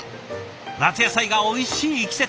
夏野菜がおいしい季節！